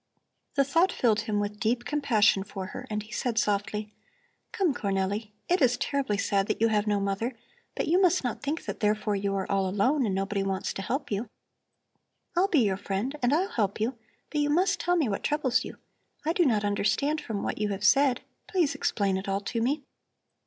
The thought filled him with deep compassion for her, and he said softly: "Come, Cornelli! It is terribly sad that you have no mother, but you must not think that therefore you are all alone and nobody wants to help you. I'll be your friend and I'll help you, but you must tell me what troubles you. I do not understand from what you have said. Please explain it all to me."